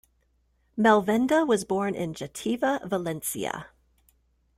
Malvenda was born in Jativa, Valencia.